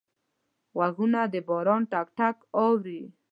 غوږونه د باران ټک ټک اوري